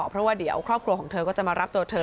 เพราะว่าเดี๋ยวครอบครัวของเธอก็จะมารับตัวเธอ